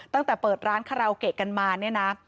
ตั้งแต่เปิดร้านคาราโอเกะกันมาเนี่ยนะ